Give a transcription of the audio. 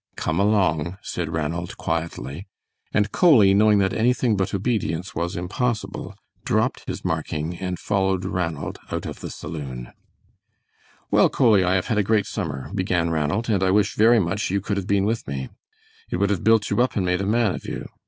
"Come along," said Ranald, quietly, and Coley, knowing that anything but obedience was impossible, dropped his marking and followed Ranald out of the saloon. "Well, Coley, I have had a great summer," began Ranald, "and I wish very much you could have been with me. It would have built you up and made a man of you.